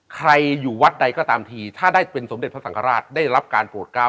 ใครอยู่วัดใดก็ตามทีถ้าได้เป็นสมเด็จพระสังฆราชได้รับการโปรดก้าว